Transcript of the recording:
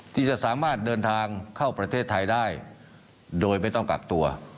ที่จะสามารถเดินทางเข้าประเทศไทยได้โดยไม่ต้องกักตัว